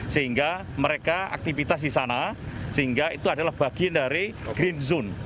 sehingga mereka aktivitas di sana sehingga itu adalah bagian dari green zone